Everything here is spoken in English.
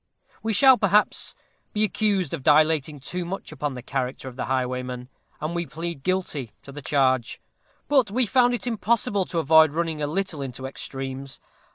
We shall, perhaps, be accused of dilating too much upon the character of the highwayman, and we plead guilty to the charge. But we found it impossible to avoid running a little into extremes.